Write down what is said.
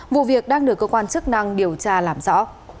vụ việc đang được cơ quan chức năng điều tra làm rõ